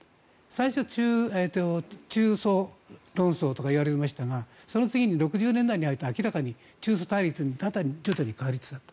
最初、中ソ論争とか言われましたがその次に６０年代になると中ソ対立に徐々に変わりつつある。